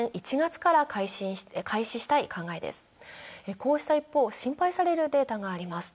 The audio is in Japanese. こうした一方、心配されるデータがあります。